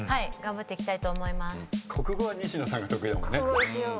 頑張っていきたいと思います。